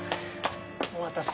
お待たせ。